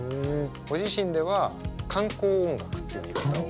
ご自身では観光音楽っていう言い方を。